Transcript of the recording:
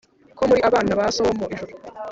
ko muri abana ba So wo mu ijuru